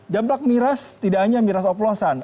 dampak miras tidak hanya miras oplosan